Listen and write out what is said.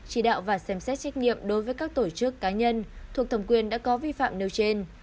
chỉ đạo và xem xét trách nhiệm đối với các tổ chức cá nhân thuộc thẩm quyền đã có vi phạm nêu trên